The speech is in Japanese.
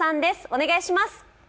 お願いします。